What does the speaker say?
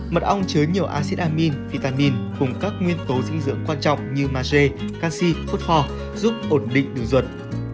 mật ong chứa nhiều acid amine vitamin cùng các nguyên tố dinh dưỡng quan trọng như mage canxi phốt phò giúp ổn định đường ruột